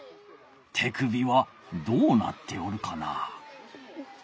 手首はどうなっておるかな？